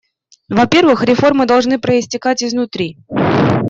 Во-первых, реформы должны проистекать изнутри.